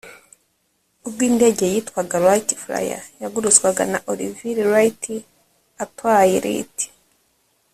ubwo indege yitwaga Wright Flyer yagurutswaga na Orville Wright atwaye Lt